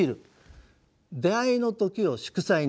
「出会いの時を祝祭に」。